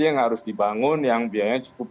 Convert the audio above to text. yang harus dibangun yang biayanya cukup